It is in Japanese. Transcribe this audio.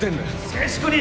静粛に！